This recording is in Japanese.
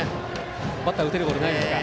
バッターは打てるボールじゃないですか？